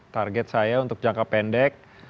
target saya untuk jangka pendek